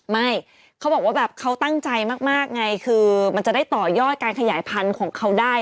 ไม่เขาบอกว่าแบบเขาตั้งใจมากไงคือมันจะได้ต่อยอดการขยายพันธุ์ของเขาได้